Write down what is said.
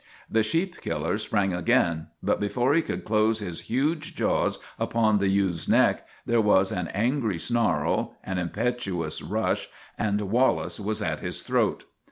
The sheep killer sprang again, but before he could close his huge jaws upon the ewe's neck there was an angry snarl, an impetuous rush, and Wallace was at his throat.